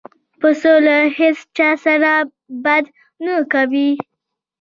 پسه له هیڅ چا سره بد نه کوي.